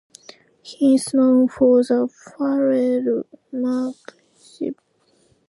He is known for the Farrell–Markushevich theorem.